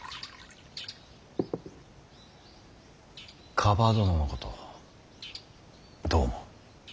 蒲殿のことどう思う。